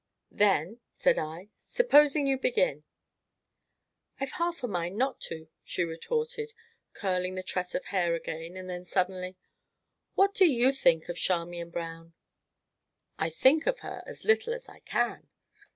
"Then," said I, "supposing you begin." "I've half a mind not to," she retorted, curling the tress of hair again, and then, suddenly: "What do you think of Charmian Brown?" "I think of her as little as I can."